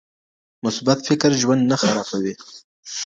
مثبت فکر ژوند نه خرابوي.